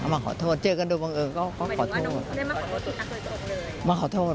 มาขอโทษเจอกันโดยบังเอิญก็ขอโทษ